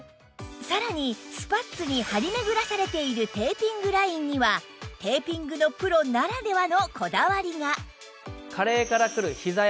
さらにスパッツに張り巡らされているテーピングラインにはテーピングのプロならではのこだわりが